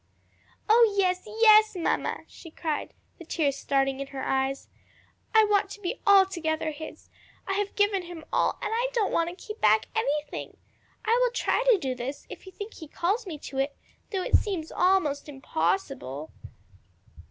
"Oh yes, yes, mamma!" she cried, the tears starting to her eyes, "I want to be altogether his. I have given him all, and don't want to keep back anything. I will try to do this if you think he calls me to it; though it seems almost impossible."